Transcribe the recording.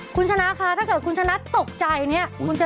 คุณชนะคะถ้าเกิดคุณชนะตกใจเนี่ย